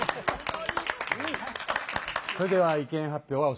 それでは意見発表はおしまいです。